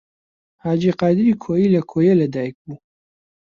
حاجی قادری کۆیی لە کۆیە لەدایک بوو.